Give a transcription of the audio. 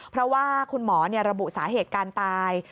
เพราะว่าคุณหมอระบุสาเหตุการตาย